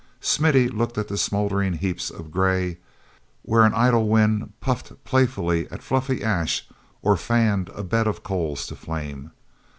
Smithy looked at the smoldering heaps of gray where an idle wind puffed playfully at fluffy ash or fanned a bed of coals to flame.